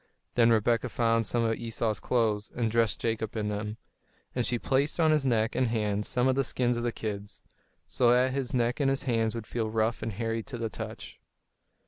Then Rebekah found some of Esau's clothes, and dressed Jacob in them; and she placed on his neck and hands some of the skins of the kids, so that his neck and his hands would feel rough and hairy to the touch.